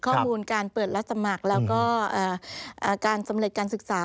ข้อมูลการเปิดรับสมัครแล้วก็การสำเร็จการศึกษา